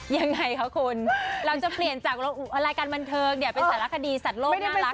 ยังไงคะคุณเราจะเปลี่ยนจากรายการบันเทิงเนี่ยเป็นสารคดีสัตว์โลกน่ารัก